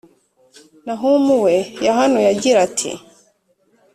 Nahumu we yahanuye agira ati: